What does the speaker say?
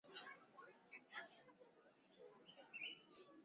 Alirudi Algeria miezi michache kabla ya uvamizi wa Kifaransa.